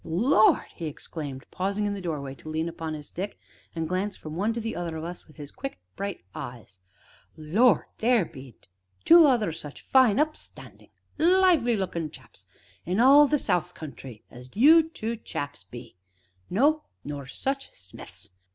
"Lord!" he exclaimed, pausing in the doorway to lean upon his stick and glance from one to the other of us with his quick, bright eyes. "Lord! theer bean't two other such fine, up standin', likely lookin' chaps in all the South Country as you two chaps be no, nor such smiths!